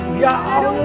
udah dong pak